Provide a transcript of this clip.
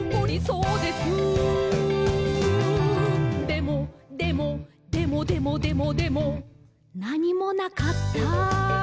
でも、でも、でもでもでもでも」「なにもなかった！」